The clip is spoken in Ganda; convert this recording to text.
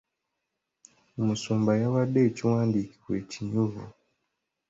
Omusumba yawadde ekyawandiikibwa ekinyuvu.